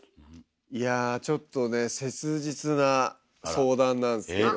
いやちょっとね切実な相談なんすけど。